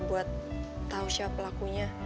buat tau siapa pelakunya